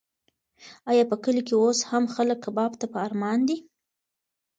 ایا په کلي کې اوس هم خلک کباب ته په ارمان دي؟